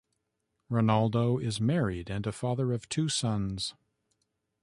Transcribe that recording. Ronaldo is married and a father of two sons.